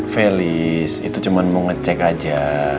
felis itu cuma mau ngecek aja